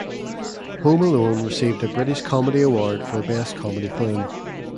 "Home Alone" received a British Comedy Award for Best Comedy Film.